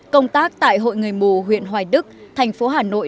công tác tại hội người mù huyện hoài đức thành phố hà nội